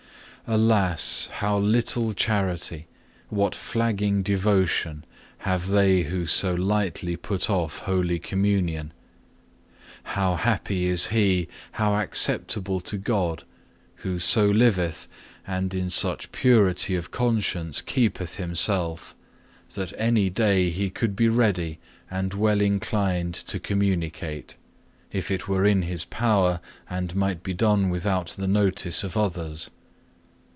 5. Alas! how little charity, what flagging devotion, have they who so lightly put off Holy Communion. How happy is he, how acceptable to God, who so liveth, and in such purity of conscience keepeth himself, that any day he could be ready and well inclined to communicate, if it were in his power, and might be done without the notice of others.